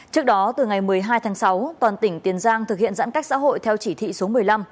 trước đó từ ngày một mươi hai tháng sáu toàn tỉnh tiền giang thực hiện giãn cách xã hội theo chỉ thị số một mươi năm